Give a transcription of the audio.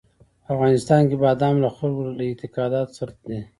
په افغانستان کې بادام له خلکو له اعتقاداتو سره دي.